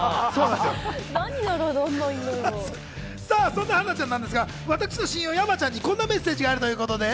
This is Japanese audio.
そんな春菜ちゃんなんですが、僕の親友・山ちゃんにこんなメッセージがあるということで。